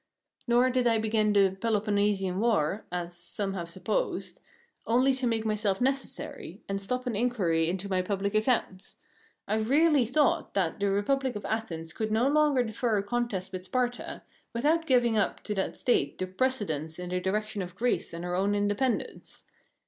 Nor did I begin the Peloponnesian War (as some have supposed) only to make myself necessary, and stop an inquiry into my public accounts. I really thought that the Republic of Athens could no longer defer a contest with Sparta, without giving up to that State the precedence in the direction of Greece and her own independence.